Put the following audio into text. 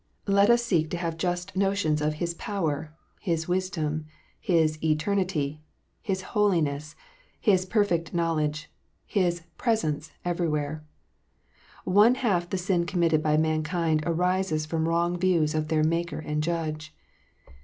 Let us seek to have just notions of THE REAL PRESENCE. 193 His power, His wisdom, His eternity, His holiness, His perfect knowledge, His " presence " everywhere. One half the sin committed by mankind arises from wrong views of their Maker and Judge.